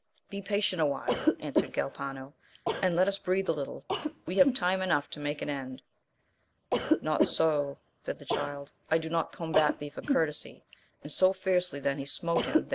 Be patient awhile, answered Galpano, and let us breathe a little, we have time enough to make an, end. Not so, said the Child, I do not combat thee for courtesy ! and so fiercely then he smote him that